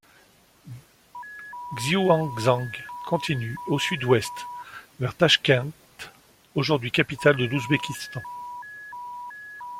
Xuanzang continue au sud-ouest vers Tachkent, aujourd'hui capitale de l'Ouzbékistan.